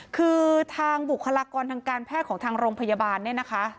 คือทางบุคลากรทางการแพทย์ของทางโรงพยาบาลเนี่ยนะคะ